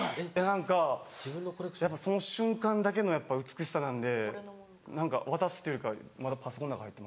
何かやっぱその瞬間だけの美しさなんで何か渡すっていうよりかまだパソコンの中に入ってます。